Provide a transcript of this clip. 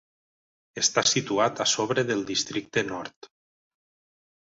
Està situat a sobre del districte "Nord".